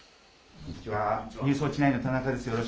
こんにちは、ニュースウオッチ９の田中です。